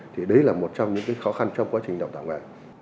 thì đấy là một trong những cái khó khăn trong quá trình đào tạo nghề